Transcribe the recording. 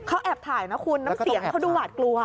เขาแอบถ่ายนะคุณน้ำเสียงเขาดูหวาดกลัว